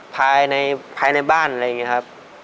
ภายในภายในบ้านอะไรอย่างนี้ครับ